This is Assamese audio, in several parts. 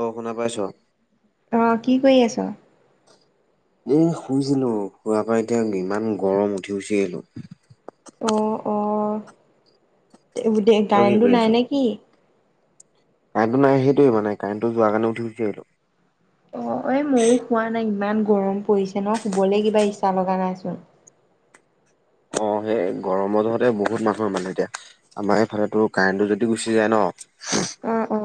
অ', শুনা পাইছো। অ কি কৰি আছ? এ' শুইছিলো, শোৱাৰ পৰা এতিয়া ইমান গৰম উঠি গুচি আহিলো। অ', অ'। [unintelligible] তই কি কাৰেন্টটো কৰি আছ নাই নে কি? কাৰেণ্টটো নাই সেইটোৱে মানে কাৰেণ্টটো যোৱাৰ কাৰণে উঠি গুচি আহিলো। অ', এই ময়ো শুৱা নাই ইমান গৰম পৰিছে ন' শুবলৈ কিবা ইচ্ছা লগা নাইচোন। [inaudible] অ', সেই গৰমৰ যহতে বহুত মানুহৰ মানে এতিয়া আমাৰ এইফালে টো কাৰেণ্টটো যদি গুচি যায় ন অ', অ'।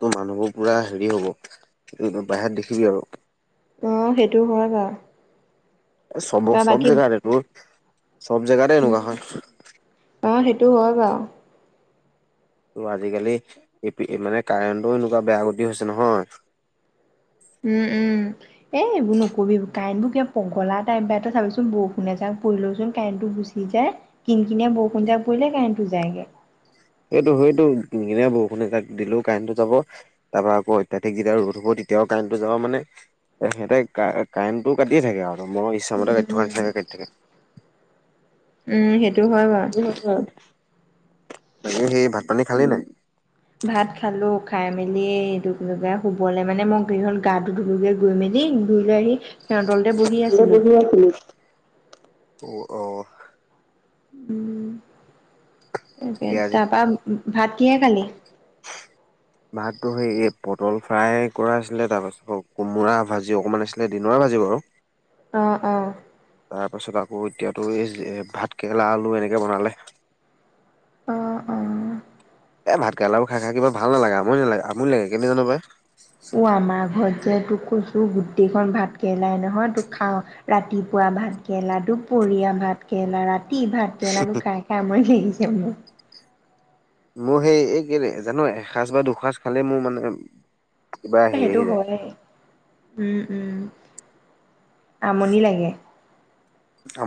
ত' মানুহবোৰ পুৰা হেৰি হ'ব বাহিৰত দেখিবি আৰু। অ', সেইটো হয় বাৰু। চব, তই চব বাকী জেগাতে তোৰ চব জেগাতে উম এনেকুৱা হয়। [unintelligible] ত' আজিকালি এপি মানে কাৰেণ্টটো এনেকুৱা বেয়া গতি হৈছে নহয়। উম, উম। উম, এ। গুচি যায় কিন-কিনীয়া বৰষুণ এজাক পৰিলে কাৰেণ্টো যায়গে। সেইটো-সেইটো কিন-কিনীয়া বৰষুণ এজাক দিলেও কাৰেন্টটো যাব, তাৰ পৰা আকৌ অত্যাধিক যেতিয়া ৰ'দ হ'ব তেতিয়াও কাৰেণ্টটো যাব মানে এ সিহঁতে কাৰেণ্টটো কাটিয়ে থাকে আৰু। মনৰ ইচ্ছামতে কাটি উম থকাৰ নিচিনাকে কাটি থাকে। উম, সেই [unintelligible] বাকী সেই ভাত পানী খালি নাই? ভাত খালো খাই মেলি এইটো কি বুলি কয়, শুবলে মানে মই গোটেইখন গাটো ধুলোগে গৈ মেলি, ধুই লৈ আহি ফেনৰ তলতে বহি আছিলোঁ। উ অ'। উম, তাকে ঠিকে আজি তাৰপৰা ভাত কিহে খালি? উ ভাতটো সেই এই পটল ফ্ৰাই কৰা আছিলে, তাৰ পাছত আকৌ কোমোৰা ভাজি অকমান আছিলে দিনৰ ভাজি বাৰু। অ' অ'। তাৰ পাছত আকৌ এতিয়া তোৰ, এই ভাত কেৰেলা, আলু এনেকে বনালে। অ'। এ ভাত কেৰেলাবোৰ খাই খাই কিবা ভাল নালাগে, আমনি নালাগে-আমনি লাগে, কেলে জানো পায়। ও আমাৰ ঘৰত যে তোক কৈছো গোটেইখন ভাত কেৰেলাই নহয়, তোক খাওঁ, ৰাতিপুৱা ভাত কেৰেলা, দুপ পৰীয়া ভাত কেৰেলা, ৰাতি ভাত কেৰেলা, তোৰ খাই খাই আমনি লাগিছে মোৰ। মোৰো সেই এই-কেলে জানো, এসাঁজ বা দুসাঁজ খালেই মোৰ মানে কিবা হেৰি সেইটো আহি যায় হয়য়ে। উম উম, আমনি লাগে।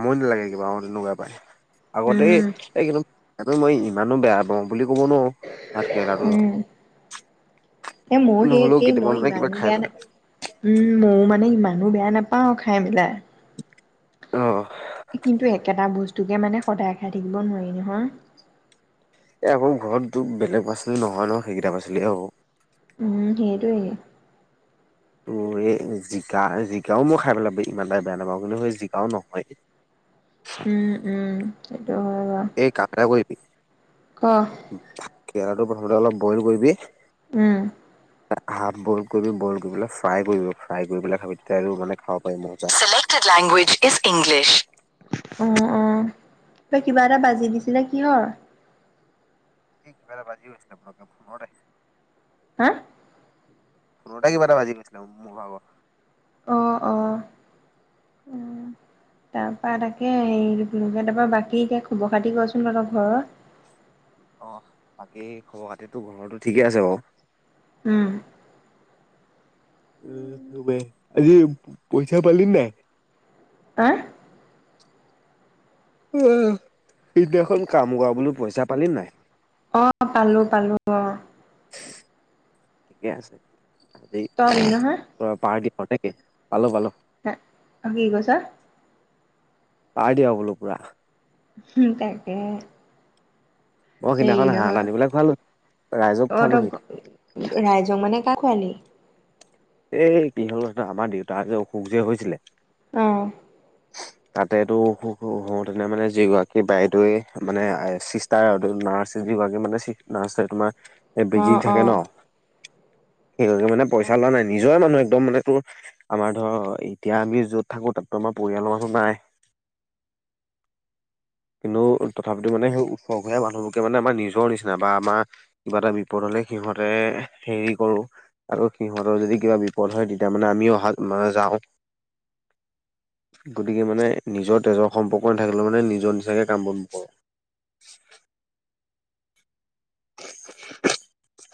আমনি লাগে কিবা, অ' তেনেকুৱা পাই, আগতে এই উম এই কিবা সেইটো মই ইমানো বেয়া পাওঁ বুলি ক'ব নোৱাৰো, ভাত কেৰেলাটো ধৰ উম এ মইও সেই একেই, মই ইমানো খাই বেয়া না, পেলাই উম, মইও মানে ইমান নো বেয়া নাপাও খাই পেলাই। অ কিন্তু একেটা বস্তুকে মানে সদায় খাই থাকিব নোৱাৰি নহয়। এ আকৌ ঘৰত তোৰ বেলেগ পাচলি নহয় ন, সেইকেইটা পাচলিহে হ'ব। উম, সেইটোৱেই। তো এই জিকা-জিকাও মই খাই পেলাই ইমান এটা বেয়া নাপাওঁ, কিন্তু সেই জিকাও নহয়। উম উম। হয় বাৰু এই কাম এটা কৰিবি, ক ভাত কেৰেলাটো প্ৰথমতে অলপ বইল কৰিবি উম। হাফ বইল কৰিবি, বইল কৰি পেলাই ফ্ৰাই কৰিবি ফ্ৰাই কৰি পেলাই খাবি, তেতিয়া এইটো মানে খাব পাৰি মজা। Language is English. অ' অ', তই কিবা এটা বাজি দিছিলে, কিহৰ? এই কিবা এটা বাজি গৈছিলে, ফতকে ফোনতে। হা? ফোনতে কিবা এটা বাজি গৈছিলে, মোৰ ভাগৰ। অ' অ', উম। তাৰ পৰা তাকে, হেৰি এইটো কি বুলি কয়, তাৰপৰা বাকী এতিয়া খবৰ খাতি কচোন তহঁতৰ ঘৰৰ। অ', বাকী খবৰ খাতিতো ঘৰৰটো ঠিকেই আছে বাৰু। উম। উম [unintelligible] আজি পইচা পালি নাই? হা? সিদিনাখন কাম কৰা বুলো পইচা পালি নাই? অ', পালো পালো, অ'। ঠিকে আছে, আজি তই পালি নহয় পুৰা পাৰ্টী [unintelligible] পালো পালো। হা, অ' কি কৈছ? পাৰ্টী আৰু বোলো পুৰা। হুম, তাকে। মই সেই সিদিনাখন হাঁহ নহয় আনি পেলাই খোৱালো ৰাইজক অ ত খোৱালোহি ৰাইজক মানে। খোৱালি। এই কিহলৰ আমাৰ দেউতা যে অসুখ যে হৈছিলে। অহ, তাতেটো হোতেনে মানে যিগৰাকী বাইদটৱে মানে চিষ্টাৰ। নাৰ্চ যৰাকী মানে নাৰ্চ তোমাৰ বিজি অ', থাকে অ'। ন। সসেই মানে পইচা লোৱা নাই। নিজৰে মানুহ একদম মানে তোৰ আমাৰ ধৰ এতিয়া আমি যত থাকো তাতো আমাৰ পৰিয়ালৰ মানুহ নাই। আ [unintelligible] কিন্তু তথাপিতও মানে সেই খ মানুহবোকে মানে আমাৰ নিজৰ নিচি বা আমাৰ কিবা এটা বিপদত। এই সিহঁতে এ হেৰী কৰো আৰু সিহতঁৰ যদি কিবা বিপদ হয় তেতিয়া মানে আমিও অহা মানে যাওঁ। অ গতিকে মানে নিজৰ তেজৰ সম্পৰ্ক নাথাকিলে মানে নিজৰ নিচাকৈ কাম বন নকৰোঁ। অ [unintelligible]